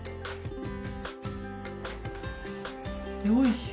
よいしょ！